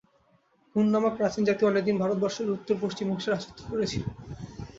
হূন নামক প্রাচীন জাতি অনেকদিন ভারতবর্ষের উত্তরপশ্চিমাংশে রাজত্ব করেছিল।